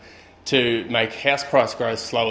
untuk membuat harga rumah jauh lebih rendah daripada yang lain